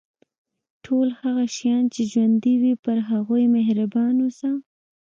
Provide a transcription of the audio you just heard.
ټول هغه شیان چې ژوندي وي پر هغوی مهربان اوسه.